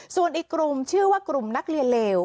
ส่วนอีกกลุ่มชื่อว่ากลุ่มนักเรียนเลว